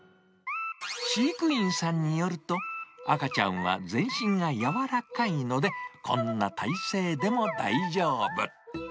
飼育員さんによると、赤ちゃんは全身が柔らかいので、こんな体勢でも大丈夫。